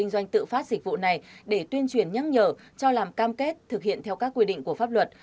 nhân dân đã nhắc nhở cho làm cam kết thực hiện theo các quy định của pháp luật